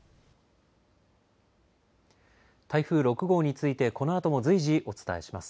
台風６号についてこのあとも随時お伝えします。